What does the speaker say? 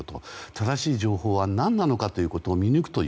正しい情報は何なのかということを見抜く。